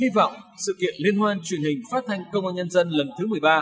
hy vọng sự kiện liên hoan truyền hình phát thanh công an nhân dân lần thứ một mươi ba